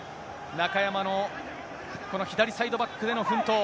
中山のこの左サイドバックでの奮闘。